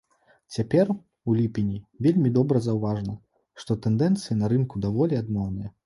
Цяпер, у ліпені, вельмі добра заўважна, што тэндэнцыі на рынку даволі адмоўныя.